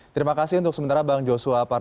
terima kasih untuk sementara bang joshua